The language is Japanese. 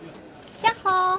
やっほー！